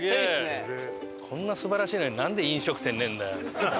こんな素晴らしいのになんで飲食店ねえんだよ。